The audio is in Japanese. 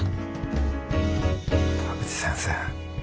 田口先生。